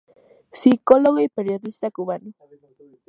Psicólogo y periodista cubano.